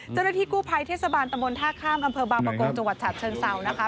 เจ้าหน้าที่กู้ภัยเทศบาลตะมนต์ท่าข้ามอำเภอบางประกงจังหวัดฉะเชิงเศร้านะคะ